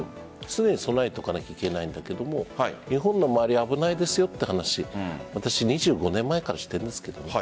常に備えておかなければいけないけれども日本の周りが危ないですよという話２５年前からしていますけどね。